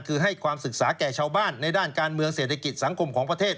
คือให้ความศึกษาแก่ชาวบ้านในด้านการเมืองเศรษฐกิจสังคมของประเทศ